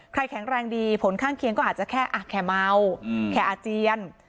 แข็งแรงดีผลข้างเคียงก็อาจจะแค่เมาแค่อาเจียน